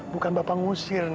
bukan bapak ngusir